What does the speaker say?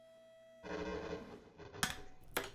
拉费兰人口变化图示